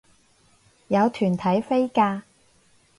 有團體飛價